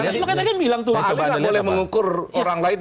cuma kita kan bilang tuh pak ali nggak boleh mengukur orang lain